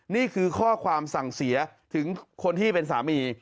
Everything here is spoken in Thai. นี่คือข้อความสั่งเสียถึงคนที่เป็นสามี